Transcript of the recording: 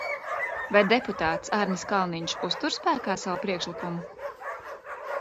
Vai deputāts Arnis Kalniņš uztur spēkā savu priekšlikumu?